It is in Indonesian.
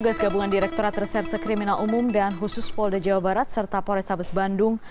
tugas gabungan direkturat reserse kriminal umum dan khusus polda jawa barat serta polrestabes bandung